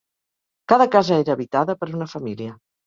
Cada casa era habitada per una família.